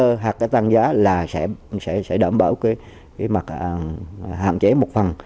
một phần là cái tăng giá là sẽ đảm bảo cái mặt hạn chế một phần